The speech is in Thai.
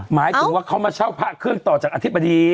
หมายถึงว่าเขามาเช่าพระเครื่องต่อจากอธิบดี